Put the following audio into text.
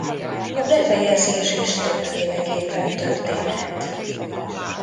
A befejezés is többféleképpen történhet.